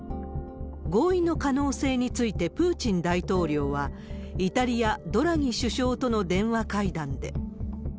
合意の可能性についてプーチン大統領は、イタリア、ドラギ首相との電話会談で。